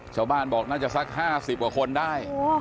ชาวบ้านบอกน่าจะสัก๕๐กว่าคนได้